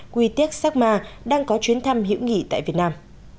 quy tiếc sắc ma đang có chuyến thăm hiểu nghỉ tại việt nam